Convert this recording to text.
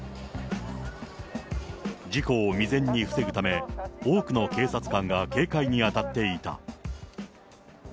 事故を未然に防ぐため、多くの警察官が警戒に当たっていた。